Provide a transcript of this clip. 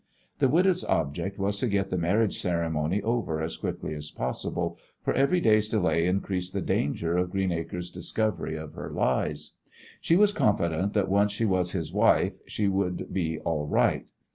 The widow's object was to get the marriage ceremony over as quickly as possible, for every day's delay increased the danger of Greenacre's discovery of her lies. She was confident that once she was his wife she would be all right.